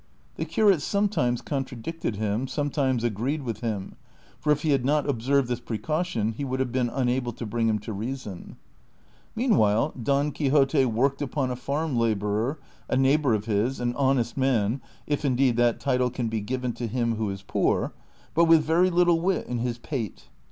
The curate sometimes con tradicted him, sometimes agreed with him, for if he had not' observed this precaution he would have been unable to bring him to reason. Meanwhile Don Quixote worked upon a farm laborer, a neighbor of his, an honest man (if indeed that title can be given to him who is poor), but with very little wit in his pate.